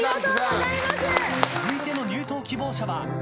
続いての入党希望者は。